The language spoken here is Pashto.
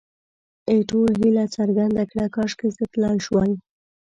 ایټور هیله څرګنده کړه، کاشکې زه تلای شوای.